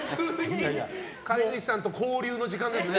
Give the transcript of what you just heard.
飼い主さんと交流の時間ですね。